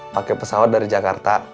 pakai pesawat dari jakarta